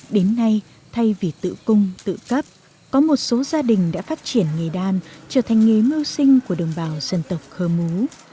đến nay thay vì tự cung tự cấp có một số gia đình đã phát triển nghề đan trở thành nghề mưu sinh của đồng bào dân tộc khơ mú